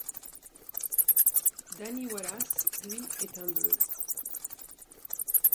Danny Wallace, lui, est un bleu.